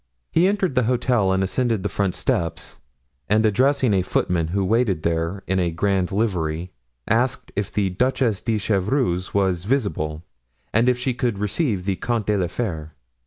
He entered the hotel and ascended the front steps, and addressing a footman who waited there in a grand livery, asked if the Duchess de Chevreuse was visible and if she could receive the Comte de la Fere?